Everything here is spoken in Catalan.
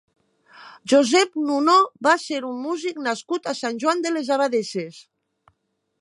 Josep Nunó va ser un músic nascut a Sant Joan de les Abadesses.